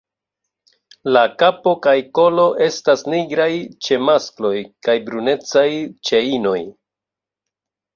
La kapo kaj kolo estas nigraj ĉe maskloj kaj brunecaj ĉe inoj.